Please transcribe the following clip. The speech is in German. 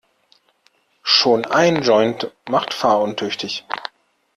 Schon ein Joint macht fahruntüchtig.